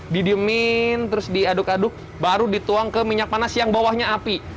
didiemin terus diaduk aduk baru dituang ke minyak panas yang bawahnya api